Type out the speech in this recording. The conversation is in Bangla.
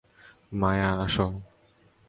মায়া, আসো।